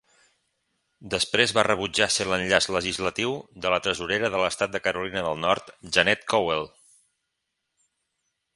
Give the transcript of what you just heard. Després va rebutjar ser l"enllaç legislatiu de la tresorera de l"estat de Carolina del Nord, Janet Cowell.